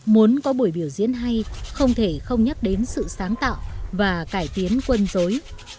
muốn có buổi biểu diễn hay không thể không nhắc đến sự sáng tạo và cải tiến quân dối